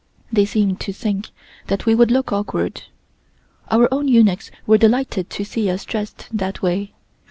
They seemed to think that we would look awkward. Our own eunuchs were delighted to see us dressed that way.